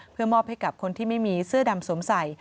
เพื่อมอบให้กับคนที่ไม่มีเสื้อดำสวมใส่